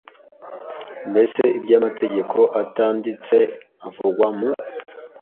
Mbese iby Amategeko atanditse avugwa mu